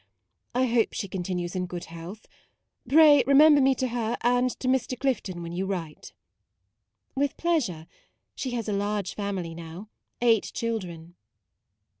I hope she continues in good health. Pray remember me to her and to Mr. Clifton when you write." "With pleasure. She has a large family now, eight children."